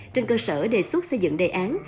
trên cơ sở đề xuất xây dựng đề án